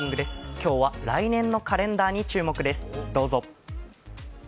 今日は来年のカレンダーに注目です、どうぞ。